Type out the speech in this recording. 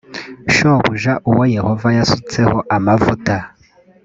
shobuja uwo yehova yasutseho amavuta